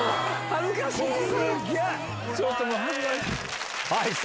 恥ずかしい。